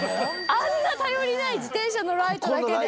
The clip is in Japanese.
あんな頼りない自転車のライトだけで。